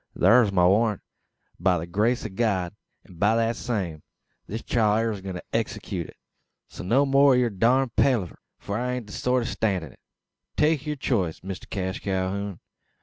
"Thur's my warrant, by the grace o' God; an by thet same, this chile air a goin' to execute it. So no more o' yur durned palaver: for I ain't the sort to stan' it. Take yur choice, Mister Cash Calhoun.